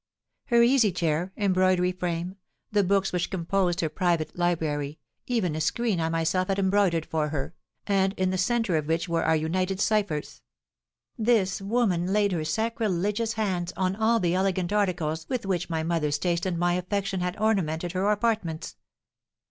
Her easy chair, embroidery frame, the books which composed her private library, even a screen I myself had embroidered for her, and in the centre of which were our united ciphers: this woman laid her sacrilegious hands on all the elegant articles with which my mother's taste and my affection had ornamented her apartments."